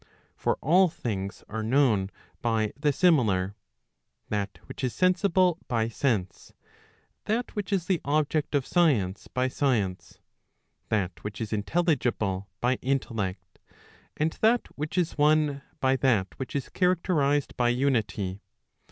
For all things are known by the simi¬ lar, that which is sensible by sense, that which is the object of science by science, that which is intelligible by intellect, and that which is one by that which is charactertized by unity.